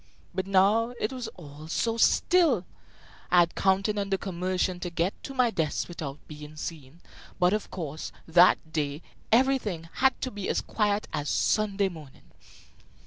But now it was all so still! I had counted on the commotion to get to my desk without being seen; but, of course, that day everything had to be as quiet as Sunday morning.